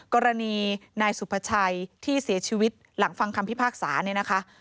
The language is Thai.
กรณีนายสุภาชัยที่เสียชีวิตหลังฟังคำพิพากษาเนี่ยนะคะ